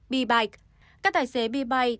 bibike các tài xế bibike